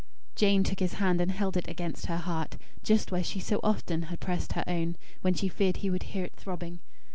Jane took his hand, and held it against her heart, just where she so often had pressed her own, when she feared he would hear it throbbing.